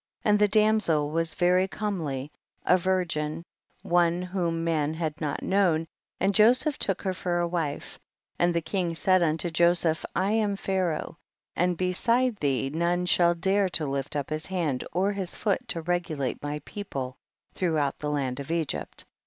37. And the damsel was very comely, a virgin, one whom man had not known, and Joseph took her for a wife ; and the king said unto Joseph, I am Pharaoh, and beside thee none shall dare to lift up his hand Oi his foot to regulate* my people throughout the land of Egypt.